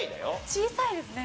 「小さい」ですね。